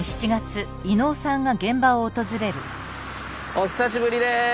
お久しぶりです。